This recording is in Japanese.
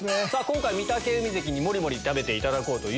今回御嶽海関にもりもり食べていただこうと。